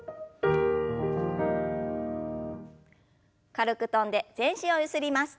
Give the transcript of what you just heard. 軽く跳んで全身をゆすります。